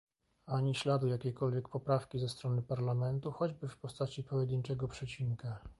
Ani śladu jakiejkolwiek poprawki ze strony Parlamentu, choćby w postaci pojedynczego przecinka